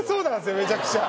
めちゃくちゃ。